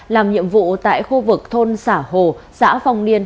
làm nhiệm vụ tại khu vực thôn xã hồ xã phòng liên